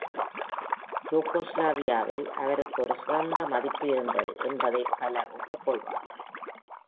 யூகோஸ்லாவியாவில் அவருக்கு ஒரு சிறந்த மதிப்பு இருந்தது என்பதை பலர் ஒப்புக்கொள்வார்கள்.